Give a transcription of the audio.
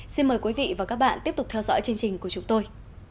xin mời quý vị và các bạn tiếp tục theo dõi chương trình của chúng tôi